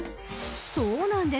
［そうなんです］